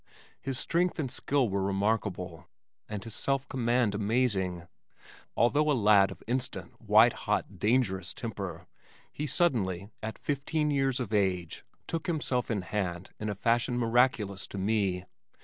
His strength and skill were remarkable and his self command amazing. Although a lad of instant, white hot, dangerous temper, he suddenly, at fifteen years of age, took himself in hand in a fashion miraculous to me.